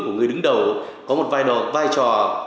của người đứng đầu có một vai trò